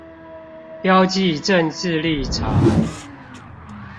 標記政治立場